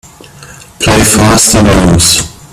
Play fast and loose